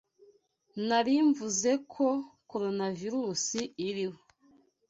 Nari mvuze ko Coronavirus iriho.